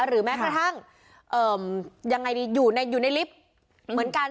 หรือแม้กระทั่งอยู่ในลิฟท์เหมือนกัน